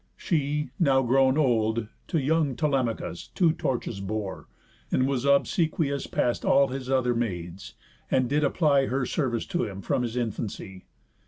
She, now grown old, to young Telemachus Two torches bore, and was obsequious Past all his other maids, and did apply Her service to him from his infancy.